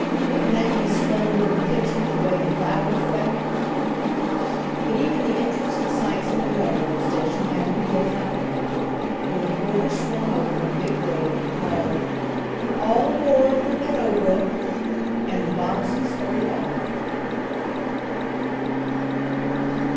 "Wouldn't dat be splendid in de kitchen to weigh de flour, Freddie?" But even the interesting sights in the railroad station had to be given up now, for the porter swung open a big gate and called: "All aboard for Meadow Brook!" and the Bobbseys hurried off.